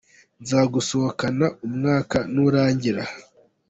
Nzagusohokana umwaka nurangira.